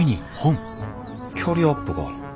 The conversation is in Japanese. キャリアアップか。